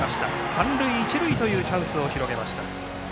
三塁一塁というチャンスを広げました。